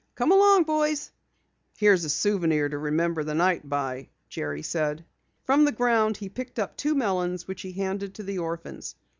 "Come along, boys." "Here's a souvenir to remember the night by," Jerry said. From the ground he picked up two melons which he handed to the orphans.